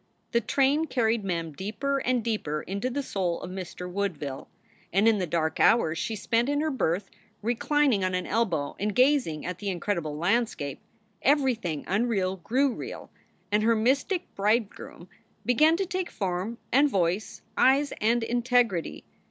The train carried Mem deeper and deeper into the soul of Mr. Woodville, and in the dark hours she spent in her berth, reclining on an elbow and gazing at the incredible landscape, everything unreal grew real, and her mystic bridegroom began to take form and voice, eyes and integrity.